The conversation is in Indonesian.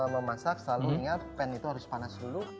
memasak selalu ingat pan itu harus panas dulu